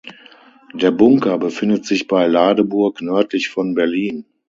Der Bunker befindet sich bei Ladeburg nördlich von Berlin.